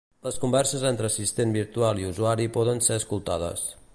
Les converses entre assistent virtual i usuari poden ser escoltades